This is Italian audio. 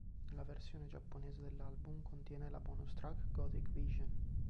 La versione giapponese dell'album contiene la bonus track "Gothic Vision".